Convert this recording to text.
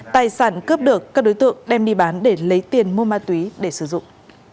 tài sản cướp được các đối tượng đem đi bán để lấy tiền mua ma túy để sử dụng